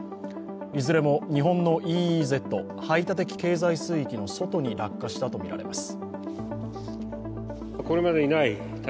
いずれも日本のＥＥＺ＝排他的経済水域の外に落下したとみられます。